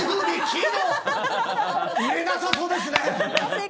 売れなさそうですね。